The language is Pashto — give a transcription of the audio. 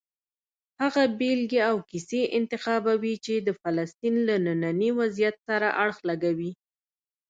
هغه بېلګې او کیسې انتخابوي چې د فلسطین له ننني وضعیت سره اړخ لګوي.